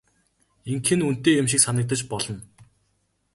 Ингэх нь үнэтэй юм шиг санагдаж болно.